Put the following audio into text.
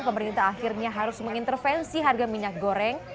pemerintah akhirnya harus mengintervensi harga minyak goreng